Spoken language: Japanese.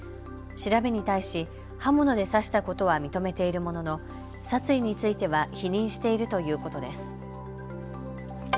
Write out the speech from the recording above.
調べに対し刃物で刺したことは認めているものの殺意については否認しているということです。